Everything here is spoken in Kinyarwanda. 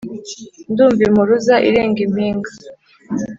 ndumva impuruza irenga impinga,